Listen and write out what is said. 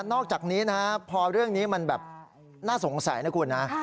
นอกจากนี้นะพอเรื่องนี้มันแบบน่าสงสัยนะคุณนะ